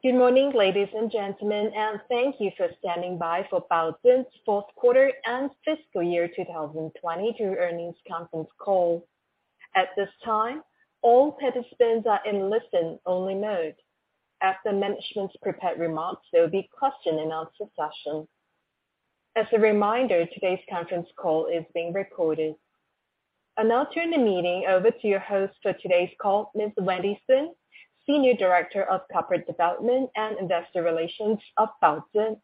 Good morning, ladies and gentlemen, thank you for standing by for Baozun's fourth quarter and fiscal year 2022 earnings conference call. At this time, all participants are in listen-only mode. After management's prepared remarks, there will be question and answer session. As a reminder, today's conference call is being recorded. I'll now turn the meeting over to your host for today's call, Ms. Wendy Sun, Senior Director of Corporate Development and Investor Relations of Baozun.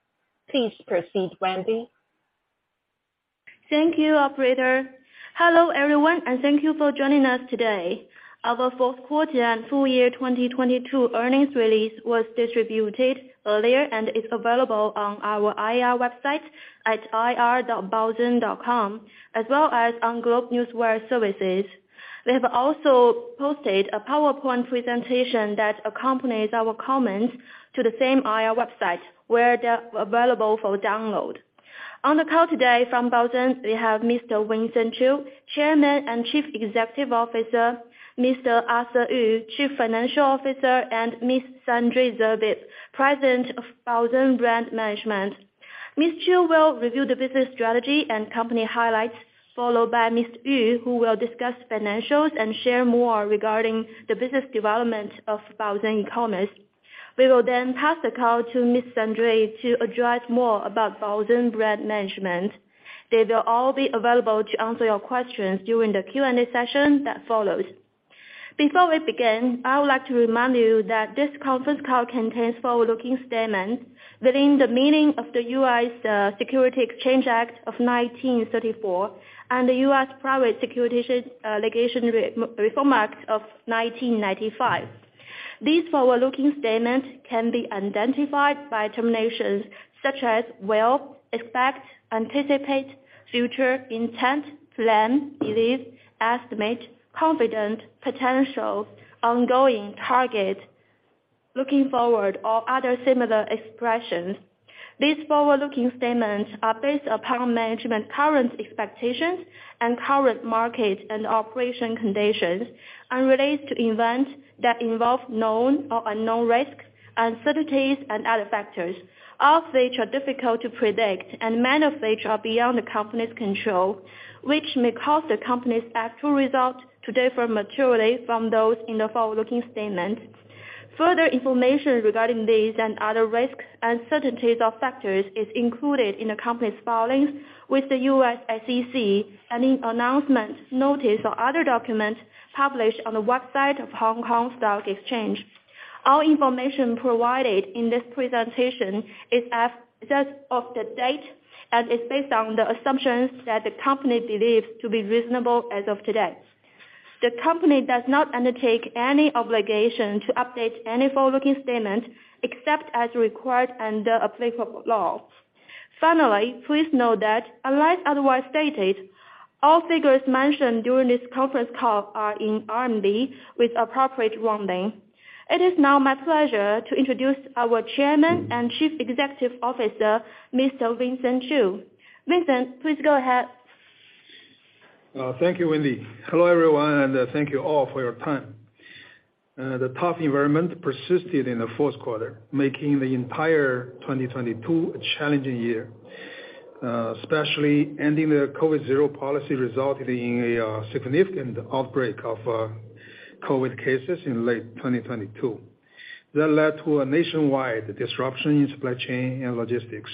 Please proceed, Wendy. Thank you, operator. Hello, everyone, and thank you for joining us today. Our fourth quarter and full year 2022 earnings release was distributed earlier and is available on our IR website at ir.baozun.com, as well as on GlobeNewswire services. We have also posted a PowerPoint presentation that accompanies our comments to the same IR website, where they're available for download. On the call today from Baozun, we have Mr. Vincent Qiu, Chairman and Chief Executive Officer, Mr. Arthur Yu, Chief Financial Officer, and Ms. Sandrine Zerbib, President of Baozun Brand Management. Mr. Qiu will review the business strategy and company highlights, followed by Mr. Yu, who will discuss financials and share more regarding the business development of Baozun Commerce. We will pass the call to Ms. Zerbib to address more about Baozun Brand Management. They will all be available to answer your questions during the Q&A session that follows. Before we begin, I would like to remind you that this conference call contains forward-looking statements within the meaning of the U.S. Securities Exchange Act of 1934 and the U.S. Private Securities Litigation Reform Act of 1995. These forward-looking statements can be identified by terminations such as will, expect, anticipate, future, intent, plan, believe, estimate, confident, potential, ongoing, target, looking forward, or other similar expressions. These forward-looking statements are based upon management current expectations and current market and operation conditions and relates to events that involve known or unknown risks, uncertainties, and other factors, all of which are difficult to predict, and many of which are beyond the company's control, which may cause the company's actual results to differ materially from those in the forward-looking statements. Further information regarding these and other risks, uncertainties, or factors is included in the company's filings with the U.S. SEC, any announcements, notice, or other documents published on the website of Hong Kong Stock Exchange. All information provided in this presentation is as of the date and is based on the assumptions that the company believes to be reasonable as of today. The company does not undertake any obligation to update any forward-looking statements except as required under applicable law. Finally, please note that unless otherwise stated, all figures mentioned during this conference call are in RMB with appropriate rounding. It is now my pleasure to introduce our Chairman and Chief Executive Officer, Mr. Vincent Qiu. Vincent, please go ahead. Thank you, Wendy. Hello, everyone, thank you all for your time. The tough environment persisted in the fourth quarter, making the entire 2022 a challenging year, especially ending the COVID zero policy resulted in a significant outbreak of COVID cases in late 2022. Led to a nationwide disruption in supply chain and logistics,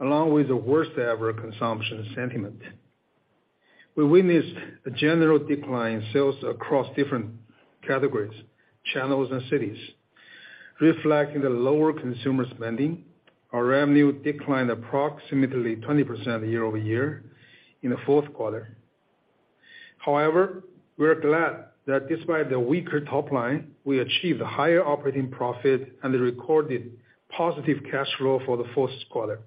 along with the worst ever consumption sentiment. We witnessed a general decline in sales across different categories, channels, and cities, reflecting the lower consumer spending. Our revenue declined approximately 20% year-over-year in the fourth quarter. We are glad that despite the weaker top line, we achieved higher operating profit and recorded positive cash flow for the fourth quarter.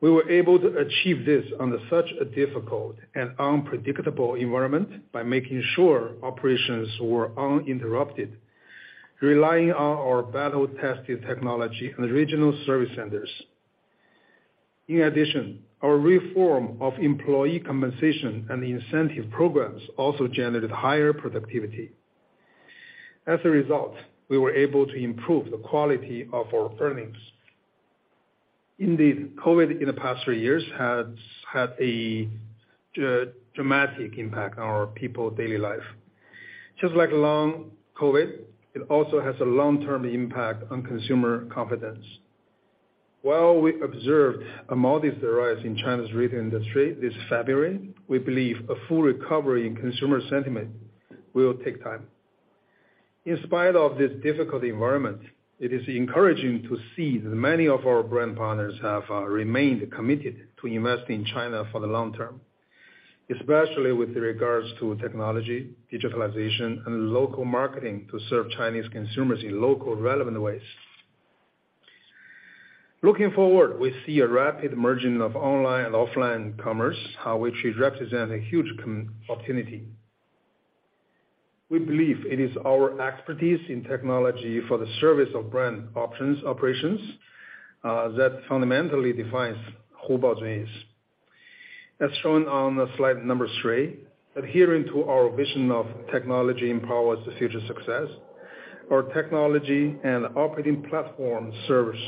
We were able to achieve this under such a difficult and unpredictable environment by making sure operations were uninterrupted, relying on our battle-tested technology and regional service centers. In addition, our reform of employee compensation and incentive programs also generated higher productivity. As a result, we were able to improve the quality of our earnings. Indeed, COVID in the past three years has had a dramatic impact on our people daily life. Just like long COVID, it also has a long-term impact on consumer confidence. While we observed a modest rise in China's retail industry this February, we believe a full recovery in consumer sentiment will take time. In spite of this difficult environment, it is encouraging to see that many of our brand partners have remained committed to investing in China for the long term, especially with regards to technology, digitalization, and local marketing to serve Chinese consumers in local relevant ways. Looking forward, we see a rapid merging of online and offline commerce, which represents a huge opportunity. We believe it is our expertise in technology for the service of brand operations that fundamentally defines who Baozun is. As shown on slide number three, adhering to our vision of technology empowers the future success. Our technology and operating platform serves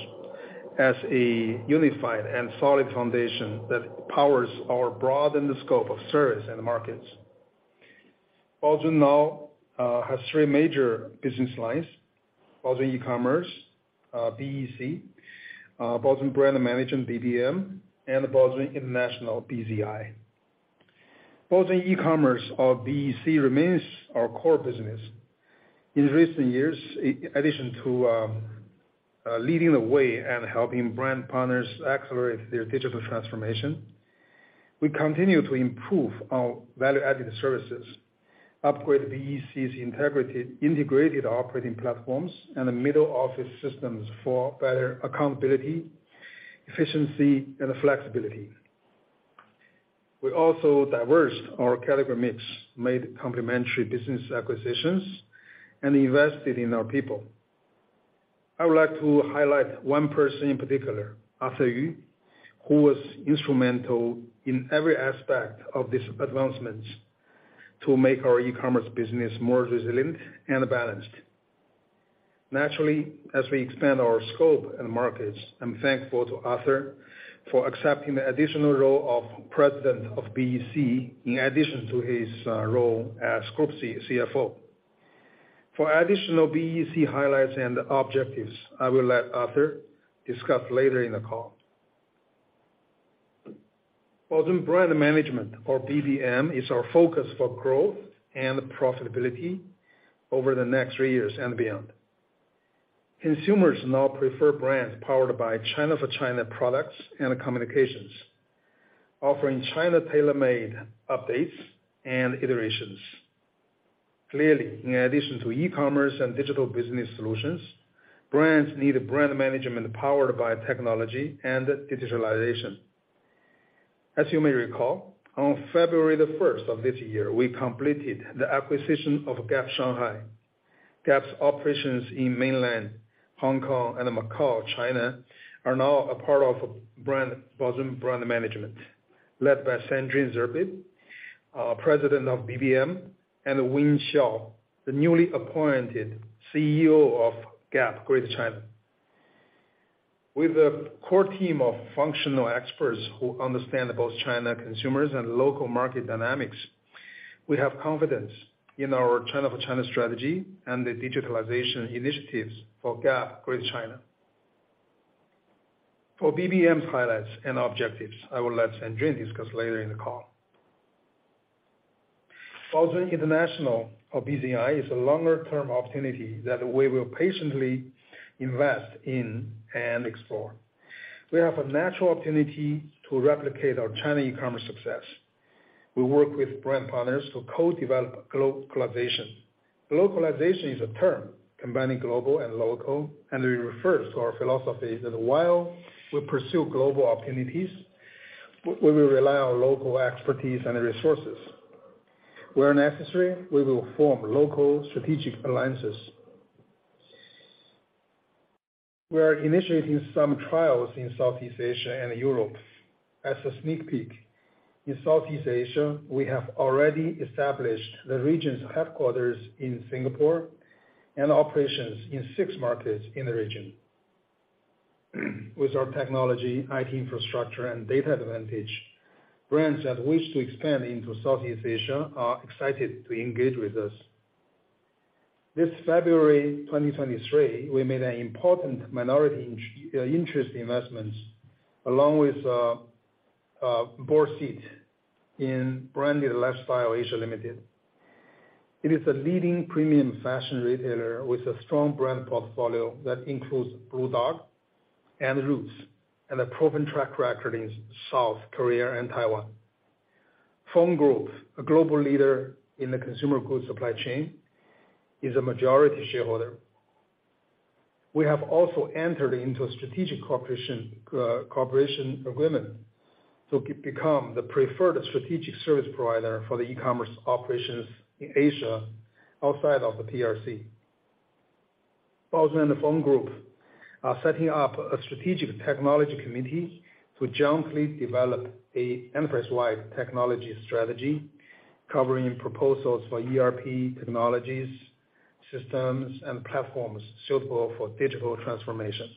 as a unified and solid foundation that powers our broaden the scope of service and markets. Baozun now has three major business lines. Baozun e-Commerce, BEC, Baozun Brand Management, BBM, and Baozun International, BZI. Baozun e-Commerce or BEC remains our core business. In recent years, in addition to leading the way and helping brand partners accelerate their digital transformation, we continue to improve our value-added services, upgrade BEC's integrated operating platforms, and the middle office systems for better accountability, efficiency, and flexibility. We also diversed our category mix, made complementary business acquisitions, and invested in our people. I would like to highlight one person in particular, Arthur Yu, who was instrumental in every aspect of these advancements to make our e-commerce business more resilient and balanced. Naturally, as we expand our scope and markets, I'm thankful to Arthur for accepting the additional role of President of BEC in addition to his role as Group CFO. For additional BEC highlights and objectives, I will let Arthur discuss later in the call. Baozun Brand Management or BBM is our focus for growth and profitability over the next three years and beyond. Consumers now prefer brands powered by China for China products and communications, offering China tailor-made updates and iterations. Clearly, in addition to e-commerce and digital business solutions, brands need brand management powered by technology and digitalization. As you may recall, on February 1st of this year, we completed the acquisition of Gap Shanghai. Gap's operations in mainland Hong Kong and Macau, China are now a part of Baozun Brand Management, led by Sandrine Zerbib, President of BBM, and Wing Xiao, the newly appointed CEO of Gap Greater China. With a core team of functional experts who understand both China consumers and local market dynamics, we have confidence in our China for China strategy and the digitalization initiatives for Gap Greater China. For BBM's highlights and objectives, I will let Sandrine discuss later in the call. Baozun International or BZI is a longer term opportunity that we will patiently invest in and explore. We have a natural opportunity to replicate our China e-commerce success. We work with brand partners to co-develop glocalization. Glocalization is a term combining global and local. It refers to our philosophy that while we pursue global opportunities, we will rely on local expertise and resources. Where necessary, we will form local strategic alliances. We are initiating some trials in Southeast Asia and Europe. As a sneak peek, in Southeast Asia, we have already established the region's headquarters in Singapore and operations in six markets in the region. With our technology, IT infrastructure, and data advantage, brands that wish to expand into Southeast Asia are excited to engage with us. This February 2023, we made an important minority interest investments along with Borsec in Branded Lifestyle Asia Limited. It is a leading premium fashion retailer with a strong brand portfolio that includes Blue Dog and Roots, and a proven track record in South Korea and Taiwan. Fung Group, a global leader in the consumer goods supply chain, is a majority shareholder. We have also entered into a strategic cooperation agreement to become the preferred strategic service provider for the e-commerce operations in Asia outside of the PRC. Baozun and the Fung Group are setting up a strategic technology committee to jointly develop a enterprise-wide technology strategy covering proposals for ERP technologies, systems, and platforms suitable for digital transformation.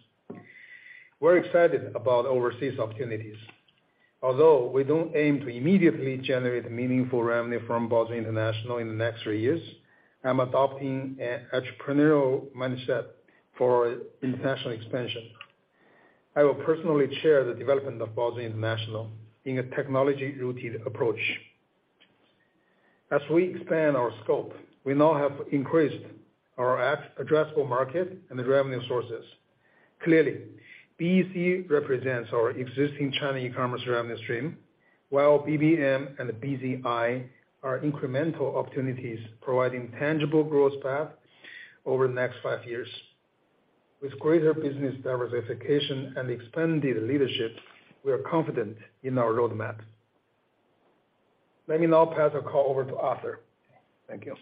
We're excited about overseas opportunities. Although we don't aim to immediately generate meaningful revenue from Baozun International in the next three years, I'm adopting an entrepreneurial mindset for international expansion. I will personally chair the development of Baozun International in a technology-rooted approach. As we expand our scope, we now have increased our addressable market and the revenue sources. Clearly, BEC represents our existing China e-commerce revenue stream, while BBM and BZI are incremental opportunities providing tangible growth path over the next five years. With greater business diversification and expanded leadership, we are confident in our roadmap. Let me now pass the call over to Arthur. Thank you.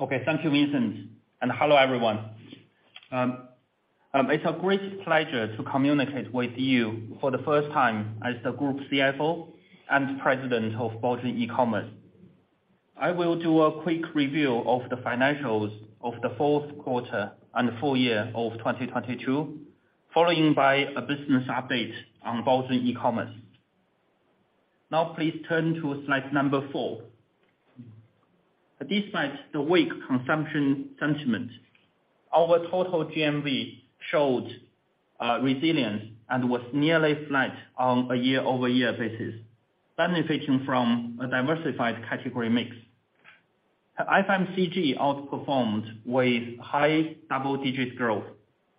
Okay. Thank you, Vincent, and hello, everyone. It's a great pleasure to communicate with you for the first time as the Group CFO and President of Baozun e-Commerce. I will do a quick review of the financials of the fourth quarter and full year of 2022, following by a business update on Baozun e-Commerce. Please turn to slide number four. Despite the weak consumption sentiment, our total GMV showed resilience and was nearly flat on a year-over-year basis, benefiting from a diversified category mix. FMCG outperformed with high double-digit growth,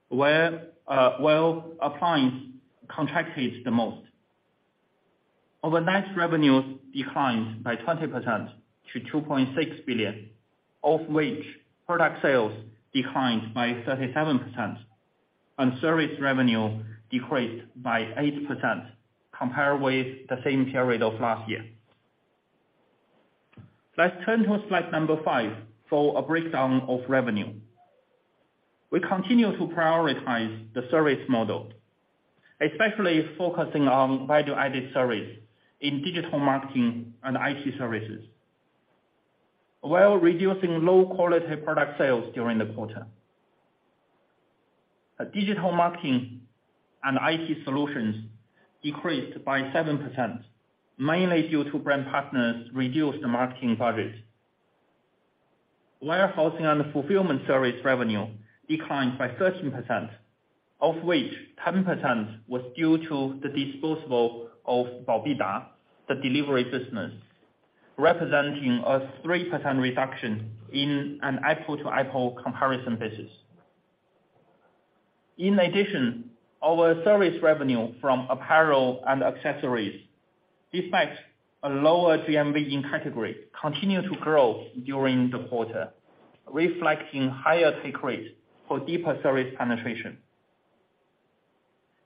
where while appliance contracted the most. Our net revenues declined by 20% to 2.6 billion, of which product sales declined by 37% and service revenue decreased by 8% compared with the same period of last year. Let's turn to slide number five for a breakdown of revenue. We continue to prioritize the service model, especially focusing on value-added service in digital marketing and IT services, while reducing low quality product sales during the quarter. Digital marketing and IT solutions decreased by 7%, mainly due to brand partners reduced marketing budget. Warehousing and fulfillment service revenue declined by 13%, of which 10% was due to the disposable of Baobida, the delivery business, representing a 3% reduction in an apple-to-apple comparison basis. Our service revenue from apparel and accessories, despite a lower GMV in category, continued to grow during the quarter, reflecting higher take rate for deeper service penetration.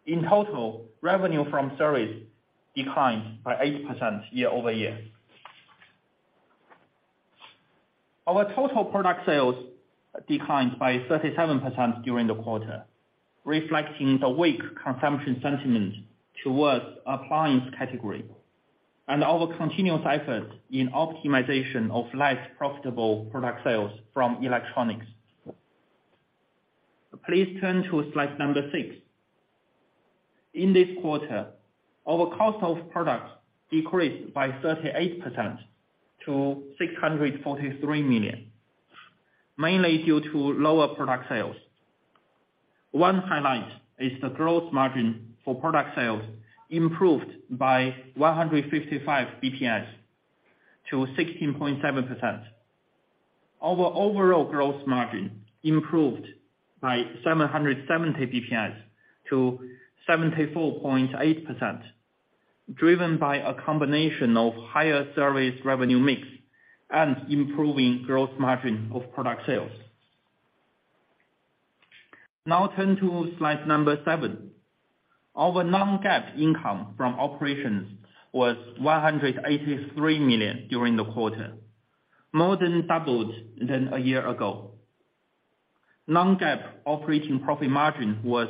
In total, revenue from service declined by 8% year-over-year. Our total product sales declined by 37% during the quarter, reflecting the weak consumption sentiment towards appliance category and our continuous effort in optimization of less profitable product sales from electronics. Please turn to slide number six. In this quarter, our cost of products decreased by 38% to 643 million, mainly due to lower product sales. One highlight is the growth margin for product sales improved by 155 BPS to 16.7%. Our overall growth margin improved by 770 BPS to 74.8%, driven by a combination of higher service revenue mix and improving growth margin of product sales. Turn to slide number seven. Our non-GAAP income from operations was 183 million during the quarter, more than doubled than a year ago. Non-GAAP operating profit margin was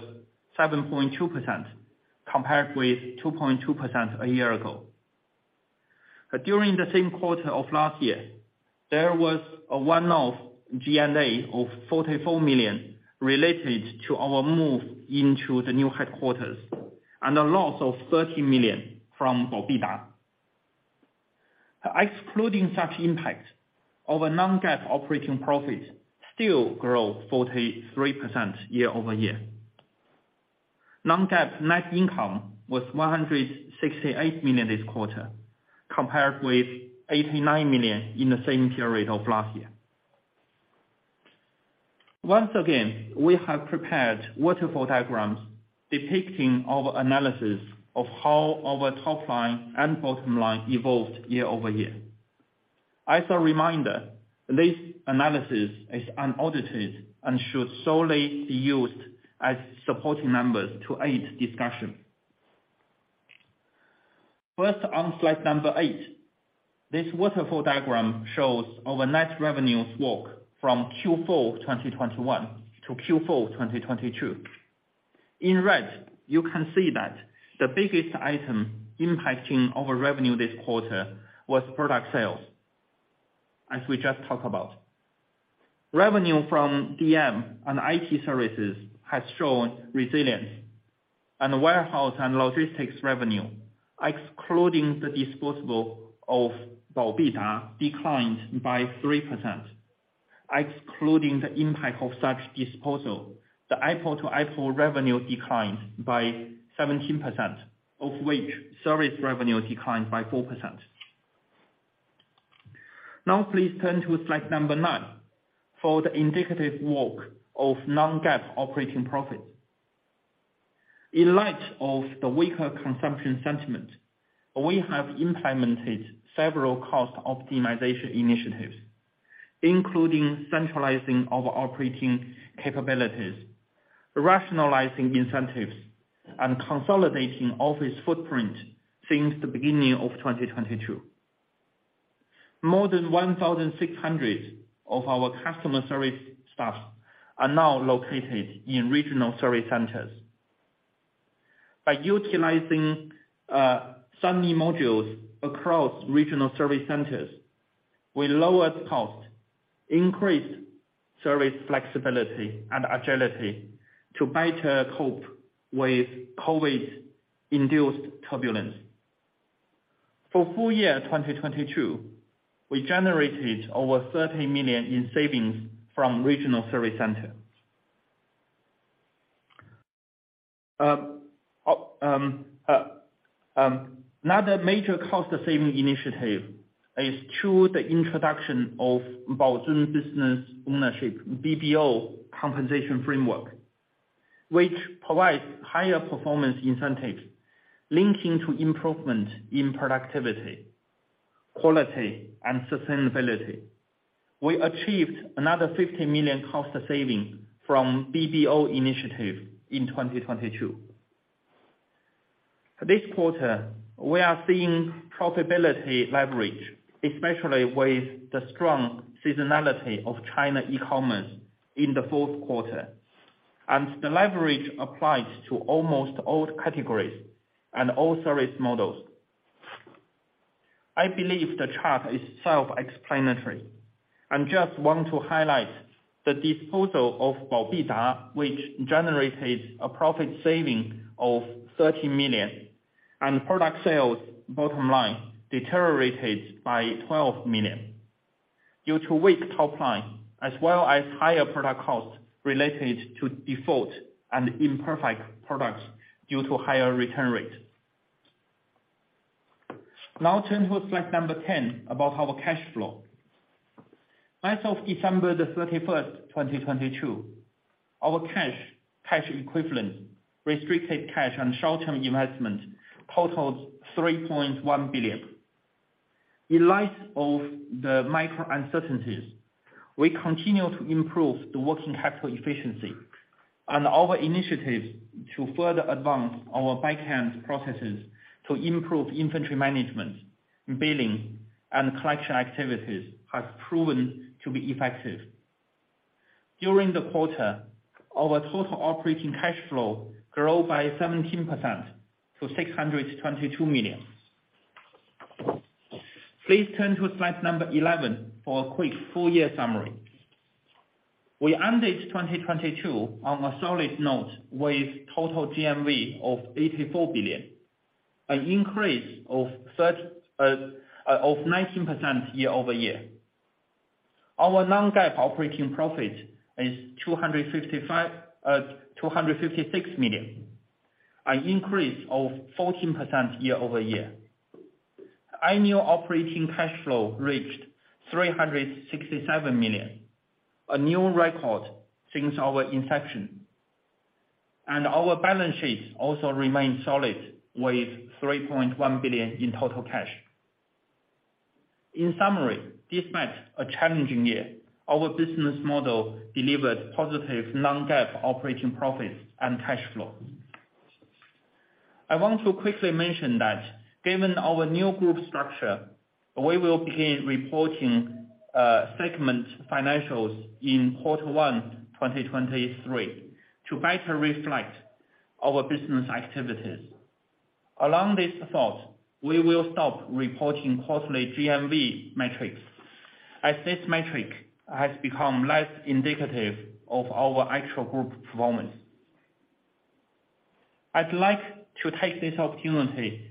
7.2% compared with 2.2% a year ago. During the same quarter of last year, there was a one-off G&A of 44 million related to our move into the new headquarters and a loss of 30 million from Baobida. Excluding such impact, our non-GAAP operating profit still grew 43% year-over-year. Non-GAAP net income was 168 million this quarter, compared with 89 million in the same period of last year. Once again, we have prepared waterfall diagrams depicting our analysis of how our top line and bottom line evolved year-over-year. As a reminder, this analysis is unaudited and should solely be used as supporting numbers to aid discussion. First, on slide number eight. This waterfall diagram shows our net revenue walk from Q4 of 2021 to Q4 of 2022. In red, you can see that the biggest item impacting our revenue this quarter was product sales, as we just talked about. Revenue from DM and IT services has shown resilience. Warehouse and logistics revenue, excluding the disposal of Baobida, declined by 3%. Excluding the impact of such disposal, the apple-to-apple revenue declined by 17%, of which service revenue declined by 4%. Now please turn to slide number 9 for the indicative walk of non-GAAP operating profit. In light of the weaker consumption sentiment, we have implemented several cost optimization initiatives. Including centralizing our operating capabilities, rationalizing incentives, and consolidating office footprint since the beginning of 2022. More than 1,600 of our customer service staff are now located in regional service centers. By utilizing some modules across regional service centers, we lowered cost, increased service flexibility and agility to better cope with COVID-induced turbulence. For full year 2022, we generated over 30 million in savings from regional service centers. Another major cost-saving initiative is through the introduction of Baozun Business Ownership, BBO compensation framework. Which provides higher performance incentives linking to improvement in productivity, quality, and sustainability. We achieved another 50 million cost saving from BBO initiative in 2022. This quarter, we are seeing profitability leverage, especially with the strong seasonality of China e-commerce in the fourth quarter. The leverage applies to almost all categories and all service models. I believe the chart is self-explanatory. I just want to highlight the disposal of Baobida, which generated a profit saving of 30 million and product sales bottom line deteriorated by 12 million due to weak top line, as well as higher product costs related to default and imperfect products due to higher return rate. Turn to slide number 10 about our cash flow. As of December 31, 2022, our cash equivalent, restricted cash and short-term investment totaled 3.1 billion. In light of the macro uncertainties, we continue to improve the working capital efficiency and our initiatives to further advance our back-end processes to improve inventory management, billing, and collection activities has proven to be effective. During the quarter, our total operating cash flow grew by 17% to 622 million. Please turn to slide number 11 for a quick full year summary. We ended 2022 on a solid note with total GMV of 84 billion, an increase of 19% year-over-year. Our non-GAAP operating profit is 256 million, an increase of 14% year-over-year. Annual operating cash flow reached 367 million, a new record since our inception. Our balance sheets also remain solid with 3.1 billion in total cash. In summary, despite a challenging year, our business model delivered positive non-GAAP operating profits and cash flow. I want to quickly mention that given our new group structure, we will begin reporting segment financials in quarter one 2023 to better reflect our business activities. Along this thought, we will stop reporting quarterly GMV metrics, as this metric has become less indicative of our actual group performance. I'd like to take this opportunity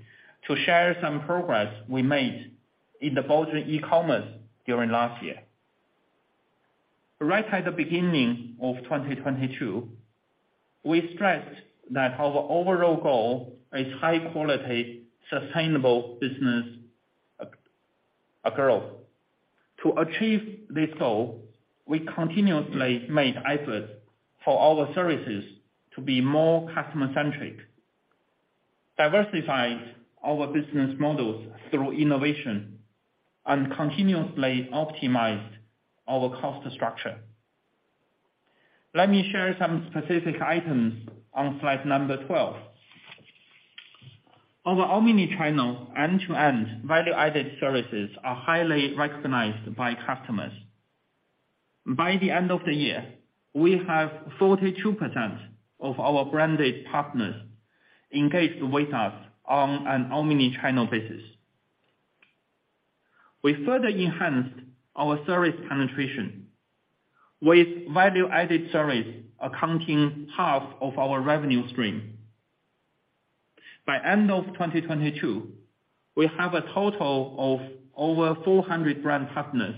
to share some progress we made in the Baozun e-Commerce during last year. Right at the beginning of 2022, we stressed that our overall goal is high quality, sustainable business growth. To achieve this goal, we continuously made efforts for our services to be more customer-centric, diversified our business models through innovation, and continuously optimized our cost structure. Let me share some specific items on slide 12. Our omni-channel end-to-end value-added services are highly recognized by customers. By the end of the year, we have 42% of our branded partners engaged with us on an omni-channel basis. We further enhanced our service penetration with value-added service accounting half of our revenue stream. By end of 2022, we have a total of over 400 brand partners.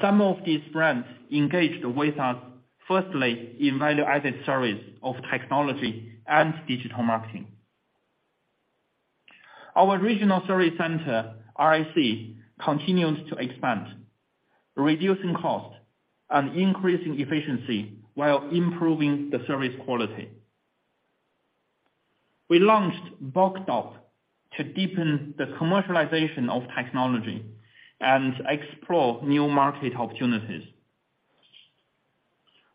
Some of these brands engaged with us firstly in value-added service of technology and digital marketing. Our regional service center, RSC, continued to expand, reducing cost and increasing efficiency while improving the service quality. We launched BOCDOP to deepen the commercialization of technology and explore new market opportunities.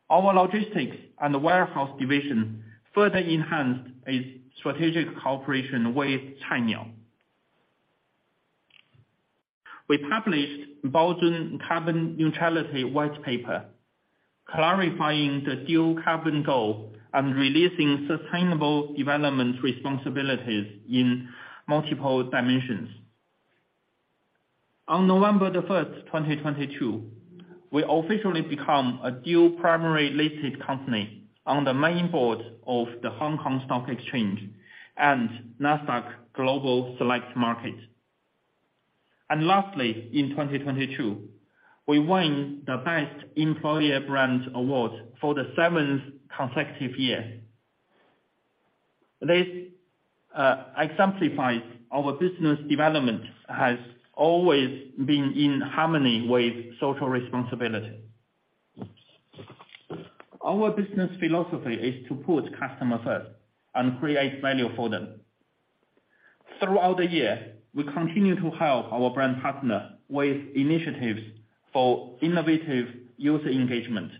Our logistics and warehouse division further enhanced its strategic cooperation with China. We published Baozun Carbon Neutrality White Paper, clarifying the dual carbon goal and releasing sustainable development responsibilities in multiple dimensions. On November 1, 2022, we officially become a dual primary listed company on the main board of the Hong Kong Stock Exchange and Nasdaq Global Select Market. Lastly, in 2022, we won the Best Employer Brand Award for the seventh consecutive year. This exemplifies our business development has always been in harmony with social responsibility. Our business philosophy is to put customer first and create value for them. Throughout the year, we continue to help our brand partner with initiatives for innovative user engagement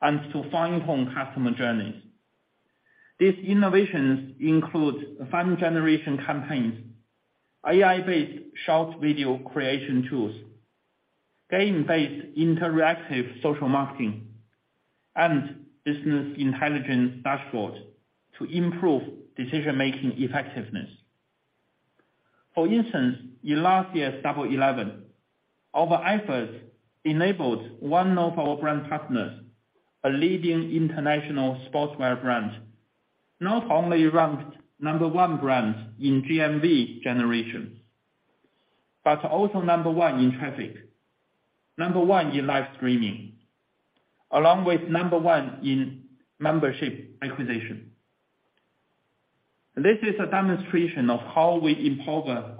and to fine-tune customer journeys. These innovations include fan generation campaigns, AI-based short video creation tools, game-based interactive social marketing, and business intelligence dashboards to improve decision-making effectiveness. For instance, in last year's Double Eleven, our efforts enabled one of our brand partners, a leading international sportswear brand, not only ranked number one brand in GMV generation, but also number one in traffic, number one in live streaming, along with number one in membership acquisition. This is a demonstration of how we empower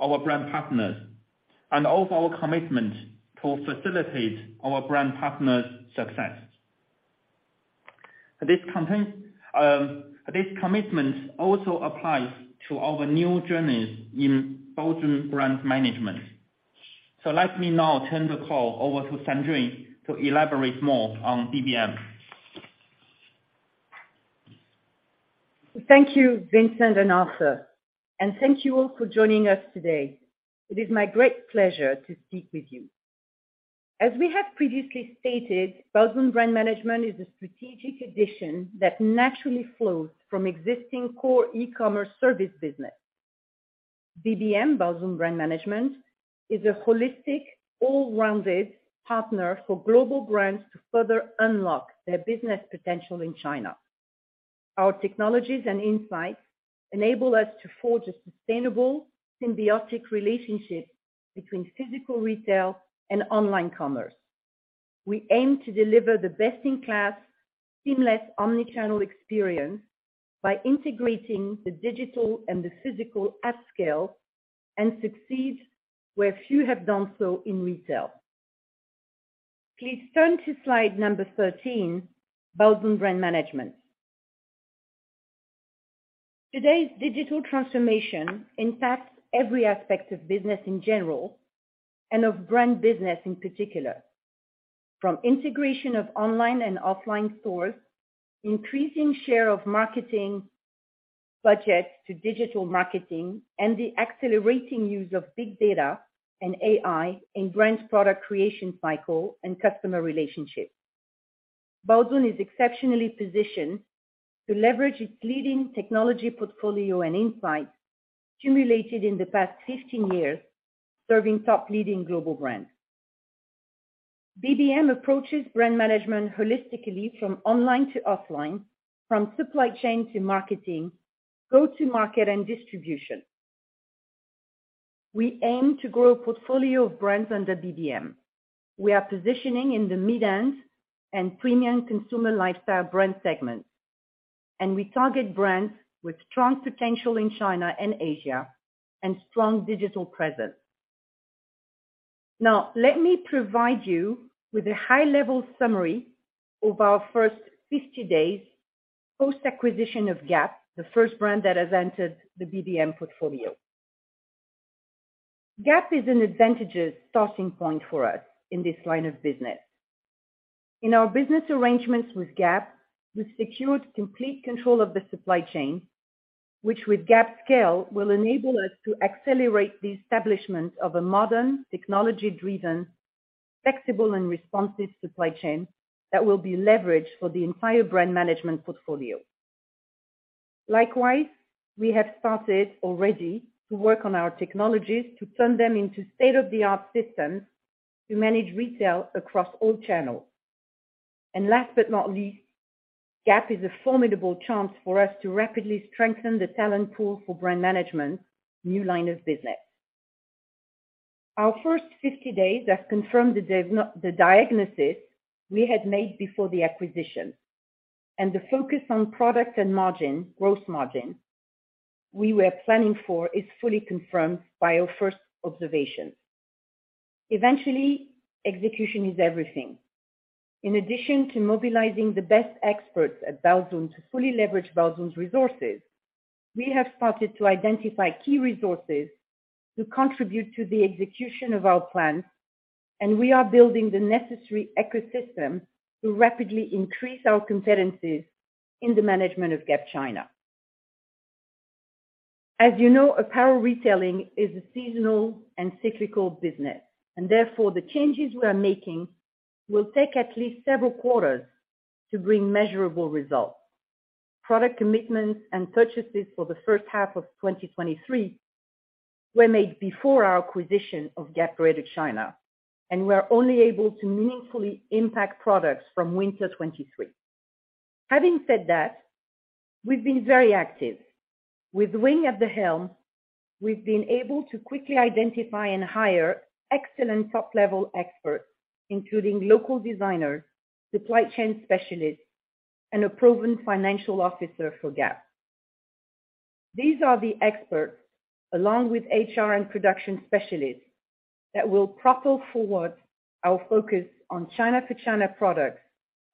our brand partners and of our commitment to facilitate our brand partners' success. This commitment also applies to our new journeys in Baozun Brand Management. Let me now turn the call over to Sandrine to elaborate more on BBM. Thank you, Vincent and Arthur. Thank you all for joining us today. It is my great pleasure to speak with you. As we have previously stated, Baozun Brand Management is a strategic addition that naturally flows from existing core e-commerce service business. BBM, Baozun Brand Management, is a holistic, all-rounded partner for global brands to further unlock their business potential in China. Our technologies and insights enable us to forge a sustainable, symbiotic relationship between physical retail and online commerce. We aim to deliver the best-in-class seamless omnichannel experience by integrating the digital and the physical at scale and succeed where few have done so in retail. Please turn to slide number 13, Baozun Brand Management. Today's digital transformation impacts every aspect of business in general and of brand business in particular. From integration of online and offline stores, increasing share of marketing budgets to digital marketing, and the accelerating use of big data and AI in brand product creation cycle and customer relationships. Baozun is exceptionally positioned to leverage its leading technology portfolio and insights accumulated in the past 15 years, serving top leading global brands. BBM approaches brand management holistically from online to offline, from supply chain to marketing, go to market and distribution. We aim to grow a portfolio of brands under BBM. We are positioning in the mid-end and premium consumer lifestyle brand segments, and we target brands with strong potential in China and Asia, and strong digital presence. Now, let me provide you with a high-level summary of our first 50 days post-acquisition of Gap, the first brand that has entered the BBM portfolio. Gap is an advantageous starting point for us in this line of business. In our business arrangements with Gap, we secured complete control of the supply chain, which with Gap's scale, will enable us to accelerate the establishment of a modern, technology-driven, flexible, and responsive supply chain that will be leveraged for the entire brand management portfolio. Likewise, we have started already to work on our technologies to turn them into state-of-the-art systems to manage retail across all channels. Last but not least, Gap is a formidable chance for us to rapidly strengthen the talent pool for brand management's new line of business. Our first 50 days have confirmed the diagnosis we had made before the acquisition. The focus on product and margin, growth margin we were planning for is fully confirmed by our first observations. Eventually, execution is everything. In addition to mobilizing the best experts at Baozun to fully leverage Baozun's resources, we have started to identify key resources to contribute to the execution of our plans, and we are building the necessary ecosystem to rapidly increase our competencies in the management of Gap China. As you know, apparel retailing is a seasonal and cyclical business, and therefore, the changes we are making will take at least several quarters to bring measurable results. Product commitments and purchases for the first half of 2023 were made before our acquisition of Gap Greater China, and we are only able to meaningfully impact products from winter 2023. Having said that, we've been very active. With Wing at the helm, we've been able to quickly identify and hire excellent top-level experts, including local designers, supply chain specialists, and a proven financial officer for Gap. These are the experts, along with HR and production specialists, that will propel forward our focus on China for China products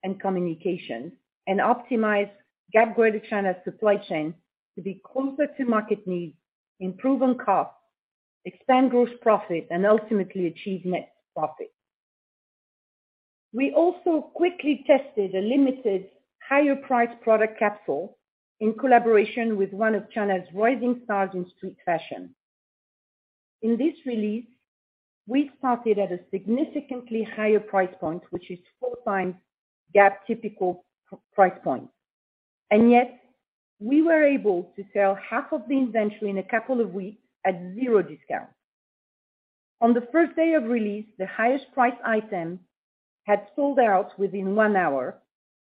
and communication, and optimize Gap Greater China supply chain to be closer to market needs, improve on cost, expand gross profit, and ultimately achieve net profit. We also quickly tested a limited higher price product capsule in collaboration with one of China's rising stars in street fashion. In this release, we started at a significantly higher price point, which is four times Gap typical RMB price point. Yet, we were able to sell half of the inventory in a couple of weeks at zero discount. On the first day of release, the highest price item had sold out within one hour.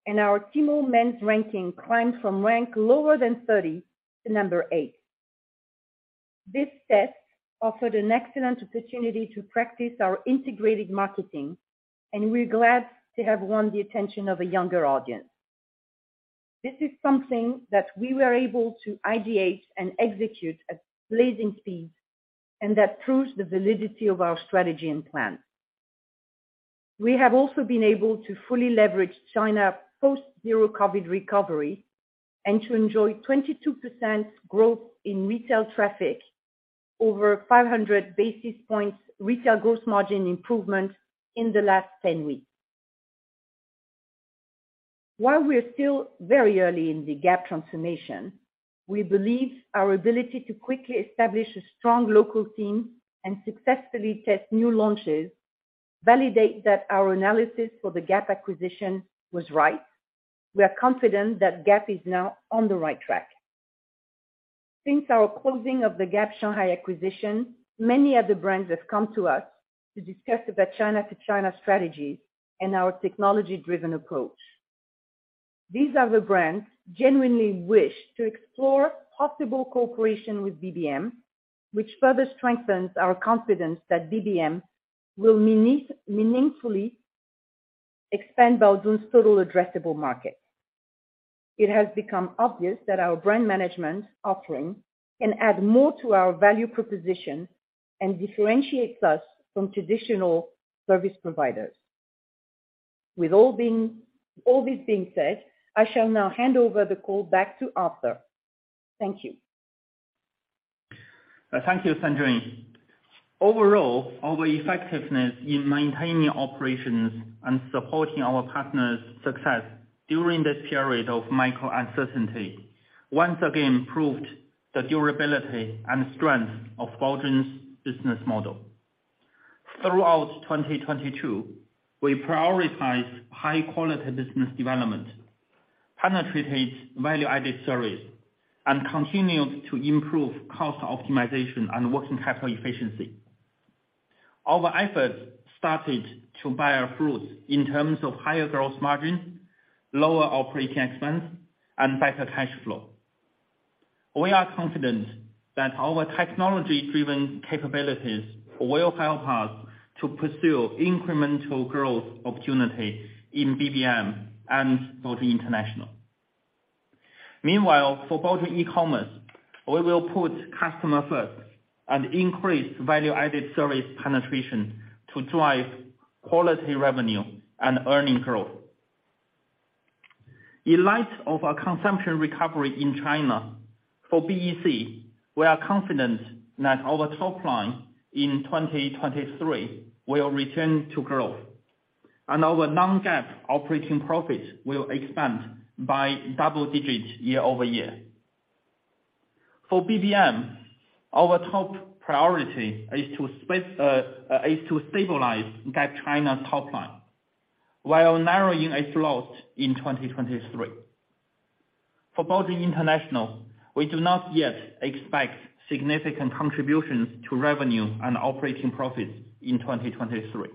Our Tmall Men's ranking climbed from rank lower than 30 to number eight. This test offered an excellent opportunity to practice our integrated marketing, and we're glad to have won the attention of a younger audience. This is something that we were able to ideate and execute at blazing speed, and that proves the validity of our strategy and plan. We have also been able to fully leverage China post zero COVID recovery and to enjoy 22% growth in retail traffic over 500 basis points retail gross margin improvement in the last 10 weeks. While we are still very early in the Gap transformation, we believe our ability to quickly establish a strong local team and successfully test new launches validate that our analysis for the Gap acquisition was right. We are confident that Gap is now on the right track. Since our closing of the Gap Shanghai acquisition, many other brands have come to us to discuss about China to China strategies and our technology-driven approach. These other brands genuinely wish to explore possible cooperation with BBM, which further strengthens our confidence that BBM will meaningfully expand Baozun's total addressable market. It has become obvious that our brand management offering can add more to our value proposition and differentiates us from traditional service providers. All this being said, I shall now hand over the call back to Arthur. Thank you. Thank you, Sandrine. Overall, our effectiveness in maintaining operations and supporting our partners' success during this period of micro-uncertainty once again proved the durability and strength of Baozun's business model. Throughout 2022, we prioritized high-quality business development, penetrated value-added service, and continued to improve cost optimization and working capital efficiency. Our efforts started to bear fruit in terms of higher gross margin, lower operating expense, and better cash flow. We are confident that our technology-driven capabilities will help us to pursue incremental growth opportunity in BBM and Baozun International. Meanwhile, for Baozun e-Commerce, we will put customer first and increase value-added service penetration to drive quality revenue and earning growth. In light of our consumption recovery in China, for BEC, we are confident that our top line in 2023 will return to growth, and our non-GAAP operating profit will expand by double digits year-over-year. For BBM, our top priority is to space, is to stabilize Gap China's top line while narrowing its loss in 2023. For Baozun International, we do not yet expect significant contributions to revenue and operating profits in 2023,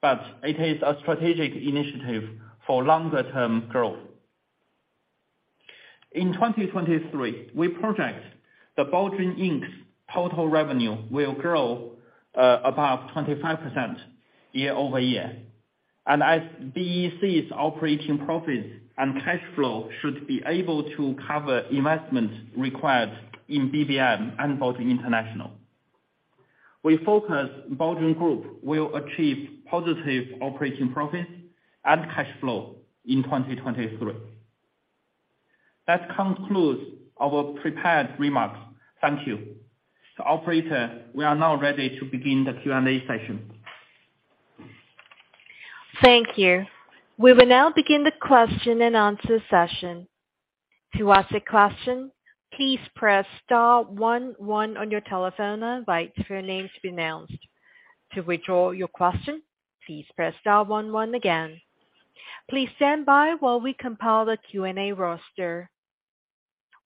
but it is a strategic initiative for longer term growth. In 2023, we project that Baozun Inc.'s total revenue will grow above 25% year-over-year. As BEC's operating profits and cash flow should be able to cover investments required in BBM and Baozun Group International. We focus Baozun Group will achieve positive operating profit and cash flow in 2023. That concludes our prepared remarks. Thank you. Operator, we are now ready to begin the Q&A session. Thank you. We will now begin the question and answer session. To ask a question, please press star 11 on your telephone and wait for your name to be announced. To withdraw your question, please press star 11 again. Please stand by while we compile the Q&A roster.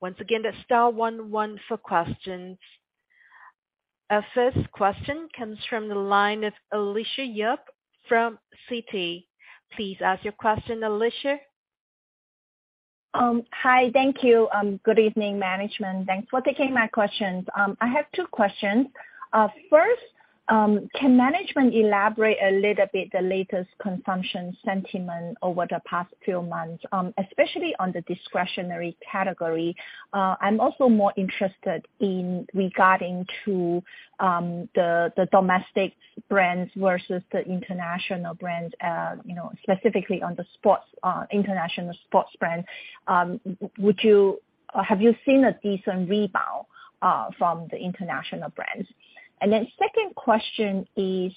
Once again, that's star 11 for questions. Our first question comes from the line of Alicia Yap from Citi. Please ask your question, Alicia. Hi. Thank you. Good evening, management. Thanks for taking my questions. I have two questions. First, can management elaborate a little bit the latest consumption sentiment over the past few months, especially on the discretionary category? I'm also more interested in regarding to the domestic brands versus the international brands, you know, specifically on the sports international sports brands. Have you seen a decent rebound from the international brands? Second question is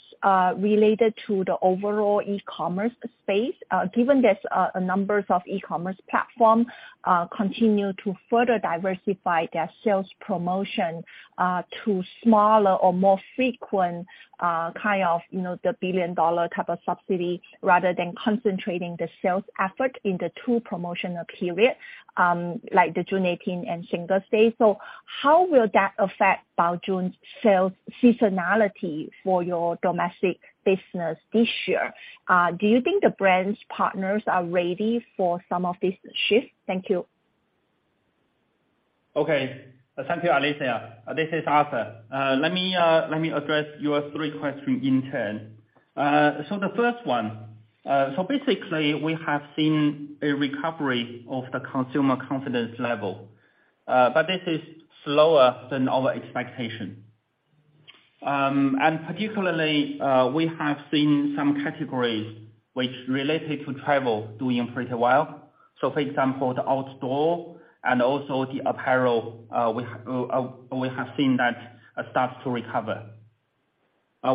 related to the overall e-commerce space. Given there's a numbers of e-commerce platform continue to further diversify their sales promotion to smaller or more frequent kind of, you know, the billion-dollar type of subsidy, rather than concentrating the sales effort in the two promotional period, like the June 18 and Singles' Day. How will that affect Baozun's sales seasonality for your domestic business this year? Do you think the brands partners are ready for some of these shifts? Thank you. Okay. Thank you, Alicia. This is Arthur. Let me address your three questions in turn. The first one. Basically, we have seen a recovery of the consumer confidence level, this is slower than our expectation. Particularly, we have seen some categories which related to travel doing pretty well. For example, the outdoor and also the apparel, we have seen that start to recover.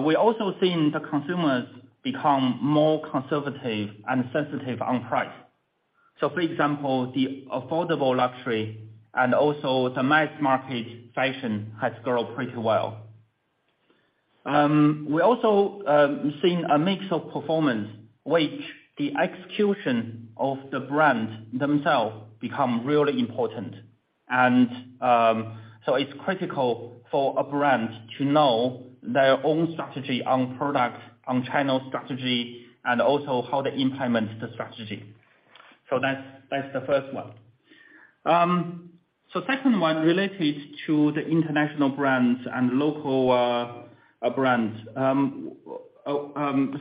We also seen the consumers become more conservative and sensitive on price. For example, the affordable luxury and also the mass market fashion has grown pretty well. We also seen a mix of performance which the execution of the brand themselves become really important. It's critical for a brand to know their own strategy on product, on channel strategy, and also how they implement the strategy. That's the first one. Second one related to the international brands and local brands.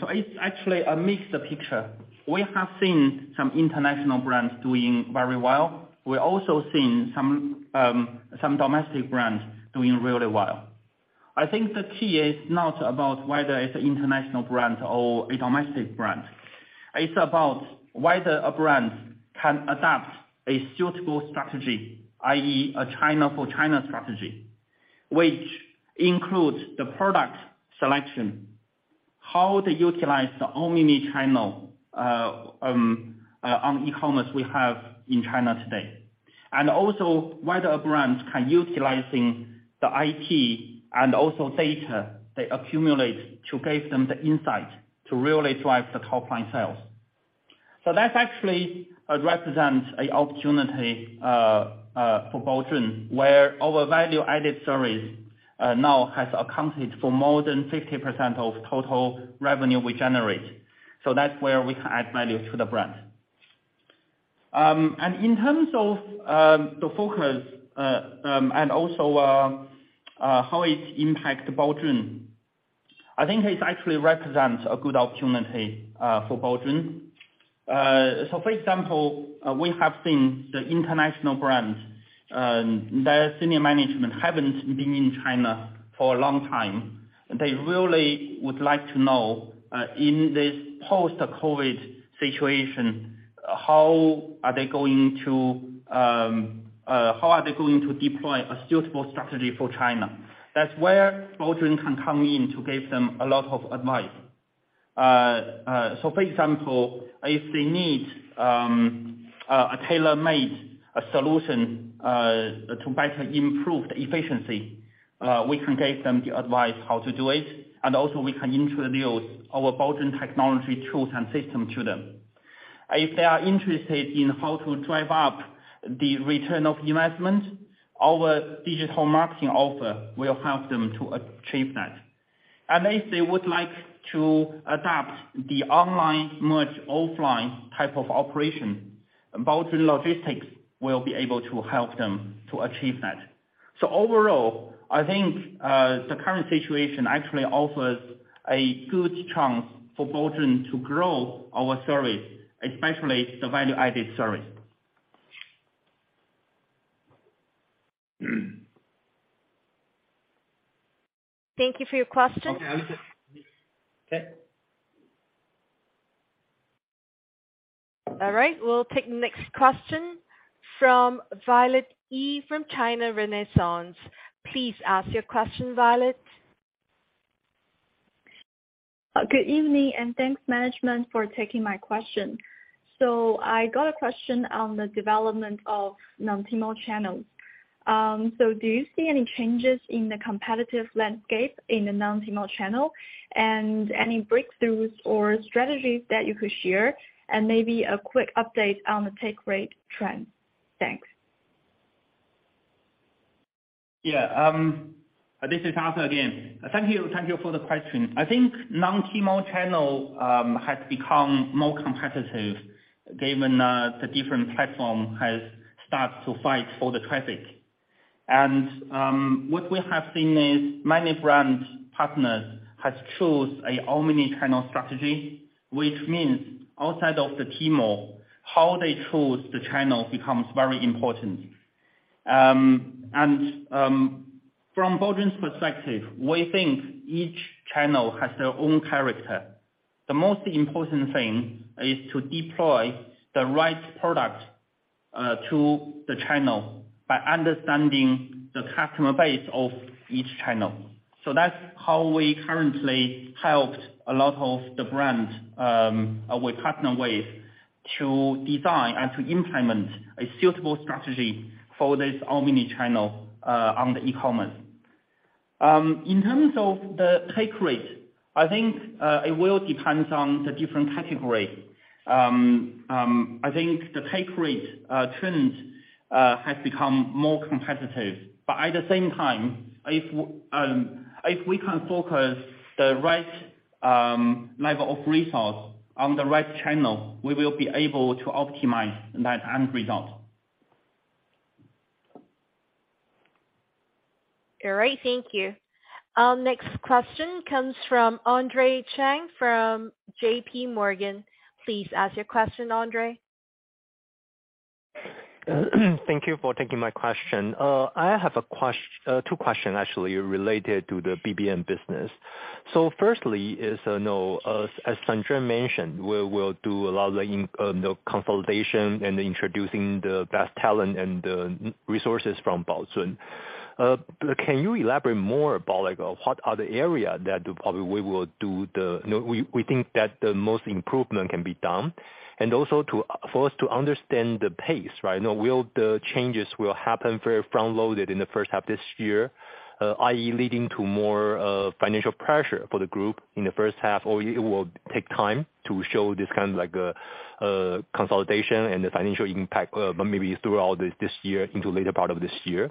It's actually a mixed picture. We have seen some international brands doing very well. We're also seeing some domestic brands doing really well. I think the key is not about whether it's international brand or a domestic brand. It's about whether a brand can adapt a suitable strategy, i.e, a China for China strategy, which includes the product selection, how they utilize the omni channel on e-commerce we have in China today. Also, whether a brand can utilizing the IT and also data they accumulate to give them the insight to really drive the top line sales. That actually represents a opportunity for Baozun, where our value-added service now has accounted for more than 50% of total revenue we generate. That's where we can add value to the brand. In terms of the focus and also how it impact Baozun, I think it actually represents a good opportunity for Baozun. For example, we have seen the international brands, their senior management haven't been in China for a long time. They really would like to know in this post-COVID situation, how are they going to deploy a suitable strategy for China? That's where Baozun can come in to give them a lot of advice. So for example, if they need a tailor-made solution to better improve the efficiency, we can give them the advice how to do it, and also we can introduce our Baozun technology tools and system to them. If they are interested in how to drive up the return of investment, our digital marketing offer will help them to achieve that. If they would like to adapt the online merge offline type of operation, Baozun Logistics will be able to help them to achieve that. So overall, I think the current situation actually offers a good chance for Baozun to grow our service, especially the value-added service Thank you for your question. Okay. All right. We'll take the next question from Violet Yi from China Renaissance. Please ask your question, Violet. Good evening. Thanks management for taking my question. I got a question on the development of non-Tmall channels. Do you see any changes in the competitive landscape in the non-Tmall channel? Any breakthroughs or strategies that you could share, and maybe a quick update on the take rate trend? Thanks. Yeah. This is Arthur again. Thank you. Thank you for the question. I think non-Tmall channel has become more competitive given the different platform has started to fight for the traffic. What we have seen is many brand partners has chose a omni-channel strategy, which means outside of the Tmall, how they choose the channel becomes very important. From Baozun's perspective, we think each channel has their own character. The most important thing is to deploy the right product to the channel by understanding the customer base of each channel. That's how we currently helped a lot of the brands we partner with, to design and to implement a suitable strategy for this omni-channel on the e-commerce. In terms of the take rate, I think it will depends on the different category. I think the take rate trend has become more competitive. At the same time, if we can focus the right level of resource on the right channel, we will be able to optimize that end result. Great. Thank you. Our next question comes from Andre Chang from J.P. Morgan. Please ask your question, Andre. Thank you for taking my question. I have two question actually related to the BBM business. firstly is, you know, as Sandra mentioned, we'll do a lot of, you know, consolidation and introducing the best talent and resources from Baozun. Can you elaborate more about like what are the area that probably we will do the, you know, we think that the most improvement can be done? also for us to understand the pace, right? You know, will the changes will happen very front loaded in the first half this year, i.e., leading to more financial pressure for the group in the first half or it will take time to show this kind of like consolidation and the financial impact, but maybe throughout this year into later part of this year?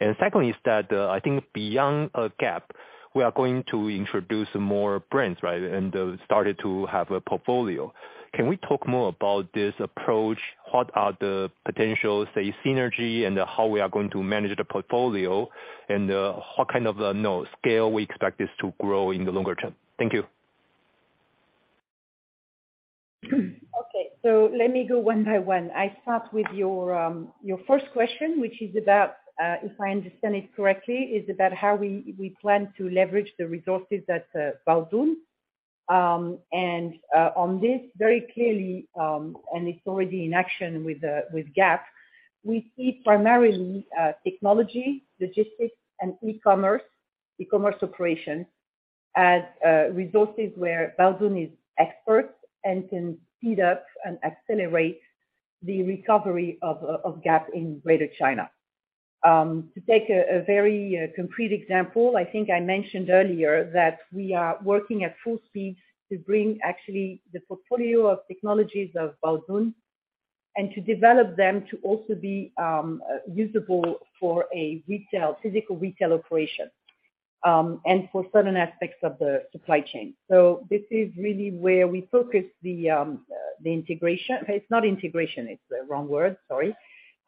Secondly is that, I think beyond Gap, we are going to introduce more brands, right? And started to have a portfolio. Can we talk more about this approach? What are the potential, say, synergy and how we are going to manage the portfolio? What kind of, you know, scale we expect this to grow in the longer term? Thank you. Let me go one by one. I start with your first question, which is about, if I understand it correctly, is about how we plan to leverage the resources at Baozun. On this very clearly, it's already in action with Gap. We see primarily technology, logistics and e-commerce operation as resources where Baozun is expert and can speed up and accelerate the recovery of Gap in Greater China. To take a very complete example, I think I mentioned earlier that we are working at full speed to bring actually the portfolio of technologies of Baozun and to develop them to also be usable for a retail, physical retail operation, and for certain aspects of the supply chain. This is really where we focus the integration. It's not integration, it's the wrong word, sorry.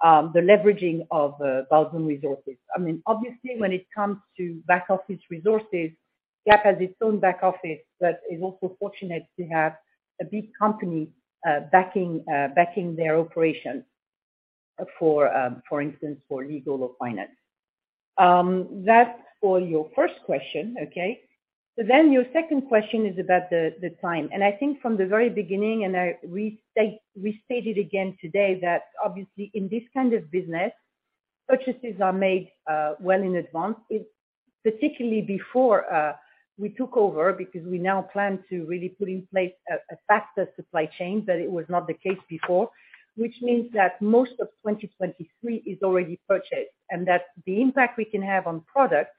The leveraging of Baozun resources. I mean, obviously, when it comes to back-office resources, Gap has its own back office, but is also fortunate to have a big company backing their operations for instance, for legal or finance. That's for your first question. Okay? Your second question is about the time. I think from the very beginning, and I restate it again today, that obviously in this kind of business, purchases are made well in advance. Particularly before we took over, because we now plan to really put in place a faster supply chain, but it was not the case before, which means that most of 2023 is already purchased, and that the impact we can have on products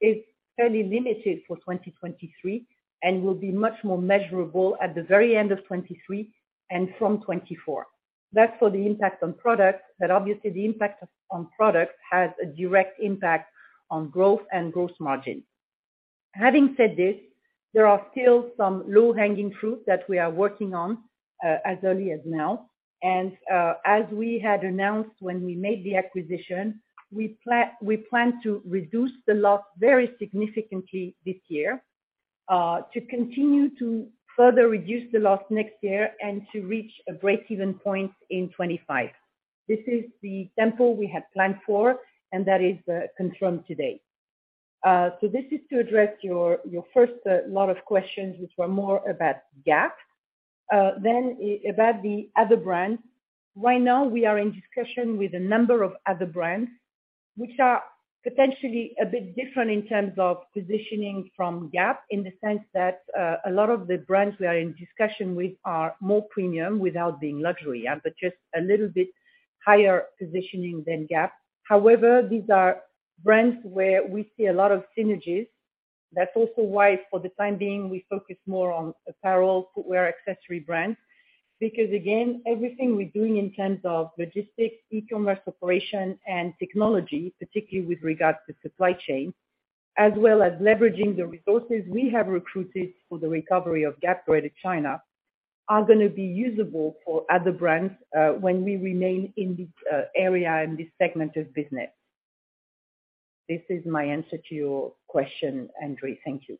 is fairly limited for 2023 and will be much more measurable at the very end of 2023 and from 2024. That's for the impact on products, but obviously the impact on products has a direct impact on growth and gross margin. Having said this, there are still some low-hanging fruit that we are working on as early as now. As we had announced when we made the acquisition, we plan to reduce the loss very significantly this year, to continue to further reduce the loss next year and to reach a break-even point in 2025. This is the temple we have planned for, that is confirmed today. This is to address your first lot of questions, which were more about Gap. About the other brands. Right now, we are in discussion with a number of other brands, which are potentially a bit different in terms of positioning from Gap, in the sense that a lot of the brands we are in discussion with are more premium without being luxury, but just a little bit higher positioning than Gap. However, these are brands where we see a lot of synergies. That's also why, for the time being, we focus more on apparel, footwear, accessory brands. Again, everything we're doing in terms of logistics, e-commerce operation, and technology, particularly with regards to supply chain, as well as leveraging the resources we have recruited for the recovery of Gap Greater China, are gonna be usable for other brands, when we remain in this area and this segment of business. This is my answer to your question, Andre. Thank you.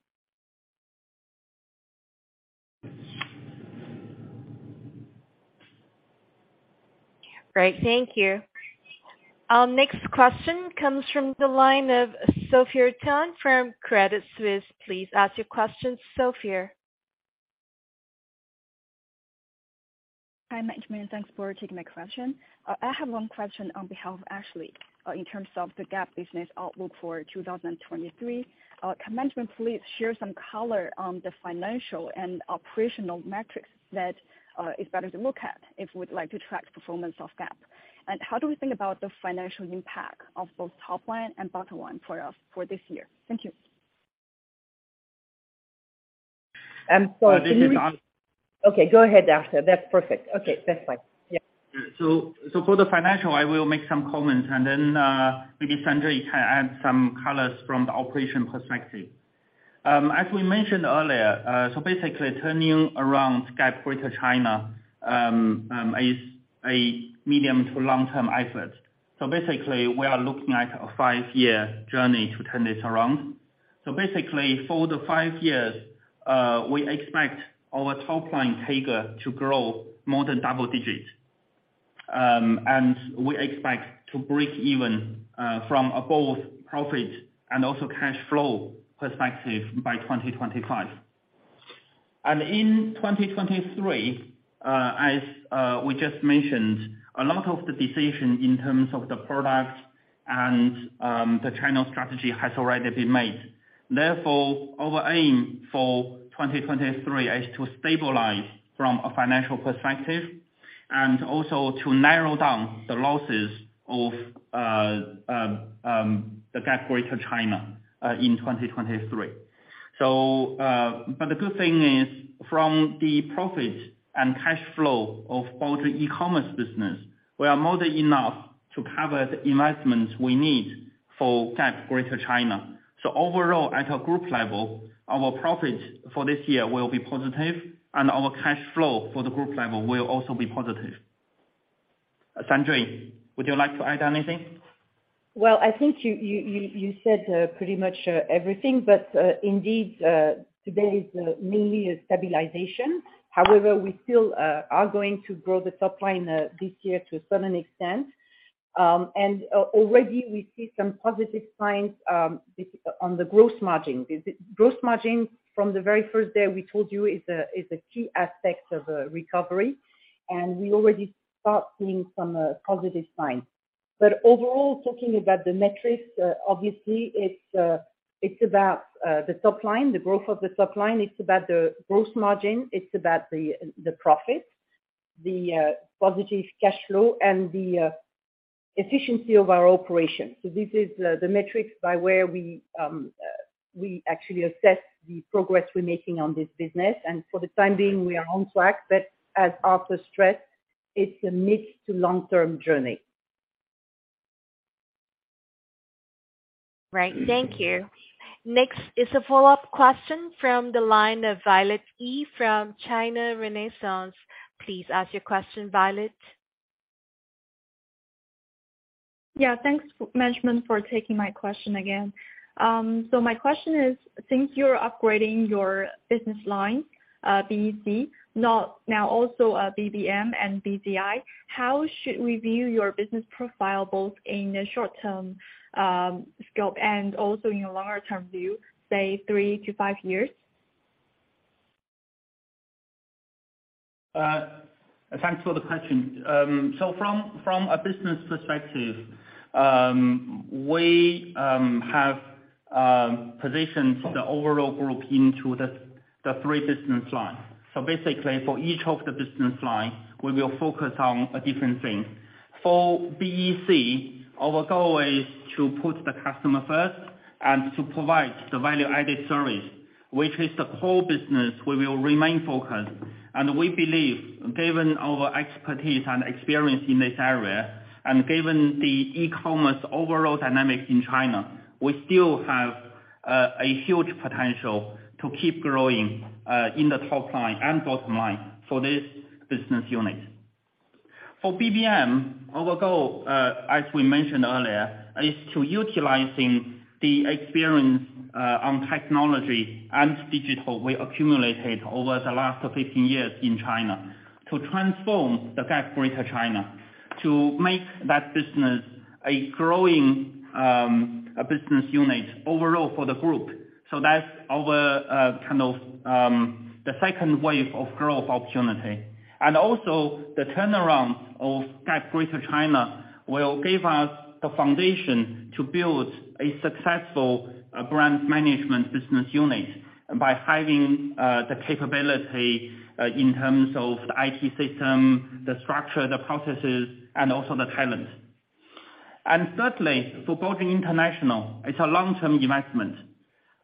Right. Thank you. Our next question comes from the line of Sophia Tan from Credit Suisse. Please ask your question, Sophia. Hi, management. Thanks for taking my question. I have one question on behalf of Ashley. In terms of the Gap business outlook for 2023, can management please share some color on the financial and operational metrics that is better to look at if we'd like to track performance of Gap? How do we think about the financial impact of both top line and bottom line for this year? Thank you. This is Arthur. Okay, go ahead, Arthur. That's perfect. Okay, that's fine. Yeah. For the financial, I will make some comments, and then maybe Sandrine can add some colors from the operation perspective. As we mentioned earlier, basically turning around Gap Greater China is a medium-to-long-term effort. Basically, we are looking at a five-year journey to turn this around. Basically, for the five years, we expect our top line GMV to grow more than double digits. We expect to break even from above profit and also cash flow perspective by 2025. In 2023, as we just mentioned, a lot of the decision in terms of the product and the channel strategy has already been made. Our aim for 2023 is to stabilize from a financial perspective and also to narrow down the losses of the Gap Greater China in 2023. But the good thing is from the profit and cash flow of both the e-commerce business, we are more than enough to cover the investments we need for Gap Greater China. Overall, at a group level, our profit for this year will be positive, and our cash flow for the group level will also be positive. Sandrine, would you like to add anything? Well, I think you said pretty much everything, but indeed, today is mainly a stabilization. However, we still are going to grow the top line this year to a certain extent. And already we see some positive signs this on the gross margin. The gross margin from the very first day we told you is a key aspect of recovery, and we already start seeing some positive signs. Overall, talking about the metrics, obviously it's about the top line, the growth of the top line. It's about the gross margin, it's about the profit, the positive cash flow, and the efficiency of our operations. This is the metrics by where we actually assess the progress we're making on this business. For the time being, we are on track, but as Arthur stressed, it's a mid-to-long-term journey. Right. Thank you. Next is a follow-up question from the line of Violet Yi from China Renaissance. Please ask your question, Violet. Yeah. Thanks management for taking my question again. My question is, since you're upgrading your business line, BEC, now also, BBM and BZI, how should we view your business profile both in the short term, scope and also in your longer term view, say 3-5 years? Thanks for the question. From a business perspective, we have positioned the overall group into the three business lines. Basically, for each of the business lines, we will focus on a different thing. For BEC, our goal is to put the customer first and to provide the value-added service, which is the core business we will remain focused. We believe given our expertise and experience in this area, and given the e-commerce overall dynamics in China, we still have a huge potential to keep growing in the top line and bottom line for this business unit. For BBM, our goal, as we mentioned earlier, is to utilizing the experience on technology and digital we accumulated over the last 15 years in China to transform the Gap Greater China to make that business a growing business unit overall for the group. That's our kind of the second wave of growth opportunity. Also the turnaround of Gap Greater China will give us the foundation to build a successful brand management business unit by having the capability in terms of the IT system, the structure, the processes, and also the talent. Thirdly, for Baozun International, it's a long-term investment.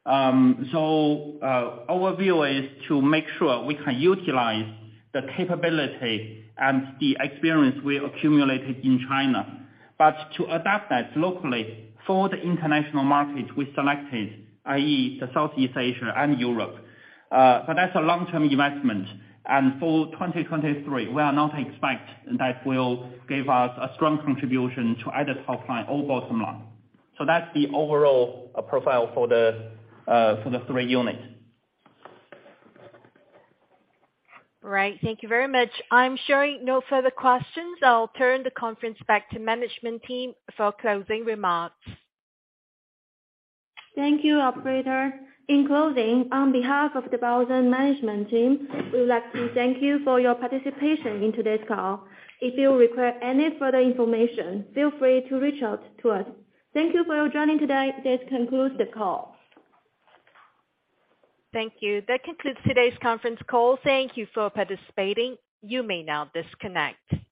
Our view is to make sure we can utilize the capability and the experience we accumulated in China, but to adapt that locally for the international market we selected, i.e. the Southeast Asia and Europe. That's a long-term investment. For 2023, we are not expect that will give us a strong contribution to either top line or bottom line. That's the overall profile for the three units. Right. Thank you very much. I'm showing no further questions. I'll turn the conference back to management team for closing remarks. Thank you, operator. In closing, on behalf of the Baozun management team, we would like to thank you for your participation in today's call. If you require any further information, feel free to reach out to us. Thank you for your joining today. This concludes the call. Thank you. That concludes today's conference call. Thank you for participating. You may now disconnect.